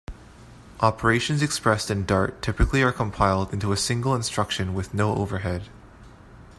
Operations expressed in Dart typically are compiled into a single instruction with no overhead.